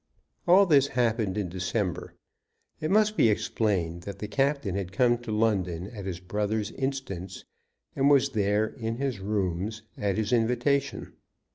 All this happened in December. It must be explained that the captain had come to London at his brother's instance, and was there, in his rooms, at his invitation.